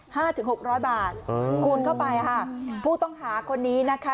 ถึงหกร้อยบาทเออคูณเข้าไปค่ะผู้ต้องหาคนนี้นะคะ